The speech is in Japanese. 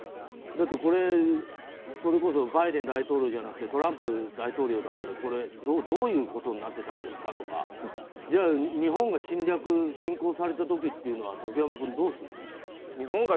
だってこれ、それこそバイデン大統領じゃなくてトランプ大統領だったらどういうことになってたんですかとかじゃあ日本が侵攻された時は竹山君、どうするの？